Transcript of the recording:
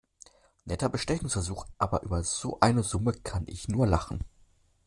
Netter Bestechungsversuch, aber über so eine Summe kann ich nur lachen.